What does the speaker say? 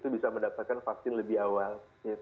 bisa mendapatkan vaksin lebih awal